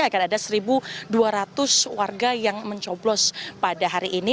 akan ada satu dua ratus warga yang mencoblos pada hari ini